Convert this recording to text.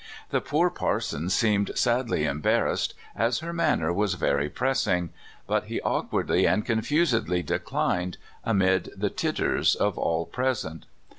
The poor parson seemed sadly embarrassed, as her manner was very pressing; but he awkwardly and confusedly declined, amid the titters of all present.